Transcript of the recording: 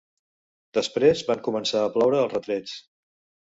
Després van començar a ploure els retrets.